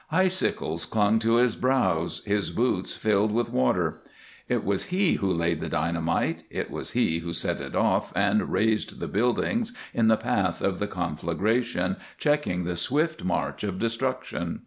Icicles clung to his brows, his boots filled with water. It was he who laid the dynamite, it was he who set it off and razed the buildings in the path of the conflagration, checking the swift march of destruction.